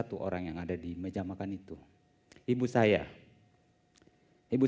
akhirnya setelah patikan ketatauan perusahaan itu ya